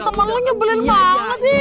temen lo nyebelin banget sih